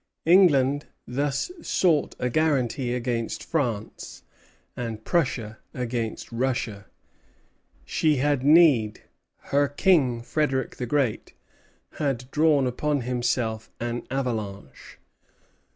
England thus sought a guaranty against France, and Prussia against Russia. She had need. Her King, Frederic the Great, had drawn upon himself an avalanche.